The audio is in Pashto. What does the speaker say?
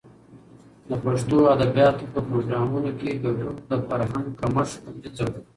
د پښتو ادبیاتو په پروګرامونو کې ګډون، د فرهنګ کمښت د منځه وړي.